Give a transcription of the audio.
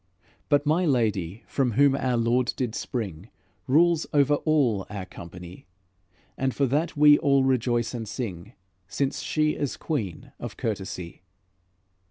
But my Lady, from whom our Lord did spring, Rules over all our company, And for that we all rejoice and sing, Since she is Queen of courtesy."